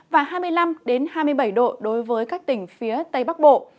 và hai mươi năm hai mươi bảy độ đối với các tỉnh phía tây bắc bộ